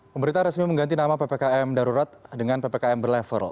pemerintah resmi mengganti nama ppkm darurat dengan ppkm berlevel